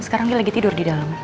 sekarang dia lagi tidur di dalam